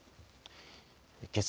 けさ